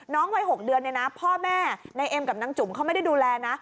วัย๖เดือนเนี่ยนะพ่อแม่นายเอ็มกับนางจุ๋มเขาไม่ได้ดูแลนะ